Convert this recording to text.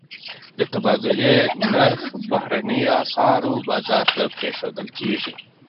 د تبادلې نرخ بهرنیو اسعارو بازار ته پرېښودل کېږي.